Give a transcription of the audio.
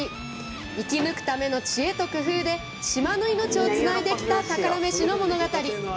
生き抜くための知恵と工夫で島の命をつないできた宝メシの物語。